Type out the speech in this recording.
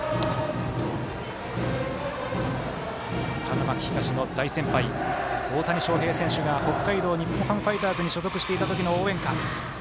花巻東の大先輩大谷翔平選手が北海道日本ハムファイターズに所属していたときの応援歌。